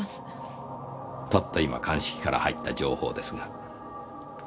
たった今鑑識から入った情報ですが。